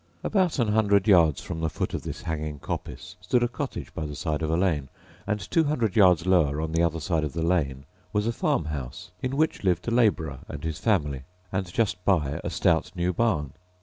About an hundred yards from the foot of this hanging coppice stood a cottage by the side of a lane; and two hundred yards lower, on the other side of the lane, was a farm house, in which lived a labourer and his family; and, just by, a stout new barn.